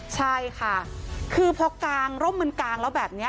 ใช่ค่ะคือพอกางร่มมันกางแล้วแบบนี้